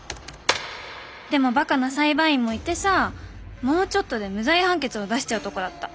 でもばかな裁判員もいてさもうちょっとで無罪判決を出しちゃうとこだった。